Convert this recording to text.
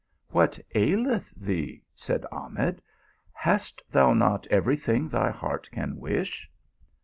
" What aileth thee ?" said Ahmed. " Hast thou not every thing thy heart can wish